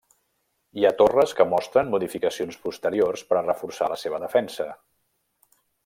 Hi ha torres que mostren modificacions posteriors per a reforçar la seva defensa.